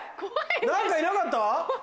何かいなかった？